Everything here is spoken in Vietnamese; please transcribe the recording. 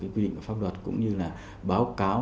quy định pháp luật cũng như là báo cáo